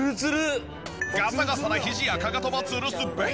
ガサガサなひじやかかともつるスベ。